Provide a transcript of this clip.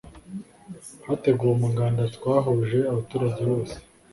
hateguwe umuganda wahuje abaturage bose